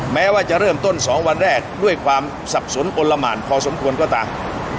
แม้ว่าจะเริ่มต้น๒วันแรกด้วยความสับสนอนละหมานพอสมควรก็ตาม